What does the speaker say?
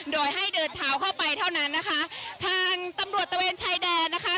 โดยให้เดินเท้าเข้าไปเท่านั้นนะคะทางตำรวจตะเวนชายแดนนะคะ